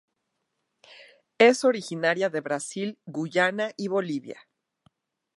Es originaria de Brasil, Guyana y Bolivia.